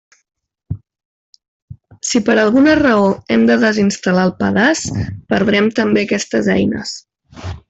Si per alguna raó hem de desinstal·lar el pedaç, perdrem també aquestes eines.